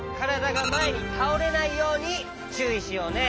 がまえにたおれないようにちゅういしようね。